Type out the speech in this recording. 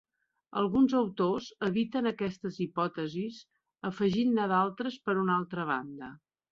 Alguns autors eviten aquestes hipòtesis afegint-ne d'altres per una altra banda.